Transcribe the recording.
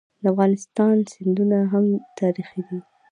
د افغانستان سیندونه هم تاریخي دي.